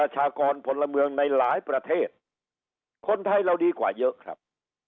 ชากรพลเมืองในหลายประเทศคนไทยเราดีกว่าเยอะครับ